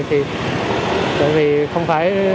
tại vì không phải